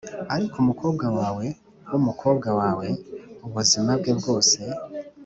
ariko umukobwa wawe wumukobwa wawe ubuzima bwe bwose